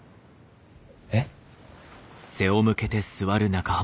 えっ？